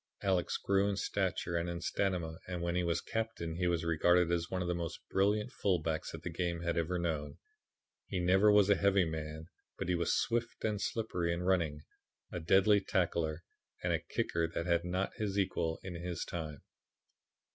Alex grew in stature and in stamina and when he was captain he was regarded as one of the most brilliant fullbacks that the game had ever known. He never was a heavy man, but he was swift and slippery in running, a deadly tackler, and a kicker that had not his equal in his time.